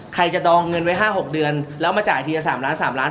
ใครจะดองเงินไว้๕๖เดือนแล้วมาจ่ายทีละ๓ล้าน๓ล้าน